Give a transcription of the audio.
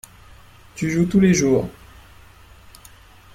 Tu joues tous les jours.